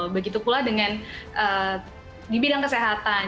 begitu pula dengan di bidang kesehatan